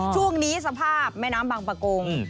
ช่วงนี้สภาพแม่น้ำบางประกง